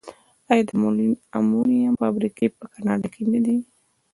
آیا د المونیم فابریکې په کاناډا کې نه دي؟